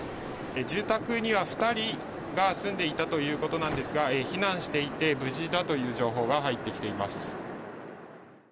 住宅には２人が住んでいたということですが避難していて無事だという情報が入ってきています。